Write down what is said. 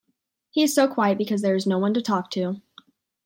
He is so quiet, because there is no one to talk to.